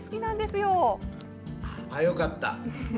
よかった。